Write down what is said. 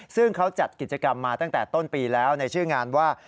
ซึ่งเขาจัดกิจกรรมมาตั้งแต่ต้นปีแล้วในชื่องานว่า